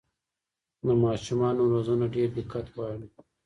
د ماشومانو روزنه ډېر دقت غواړي.